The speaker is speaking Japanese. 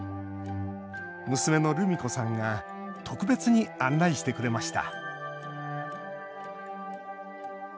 娘の、るみ子さんが特別に案内してくれました。